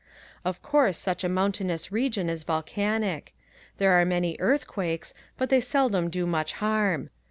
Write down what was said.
Of course such a mountainous region is volcanic. There are many earthquakes but they seldom do much harm.